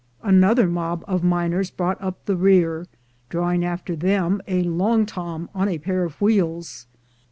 Another mob of miners brought up the rear, draw ing after them a long tom on a pair of wheels.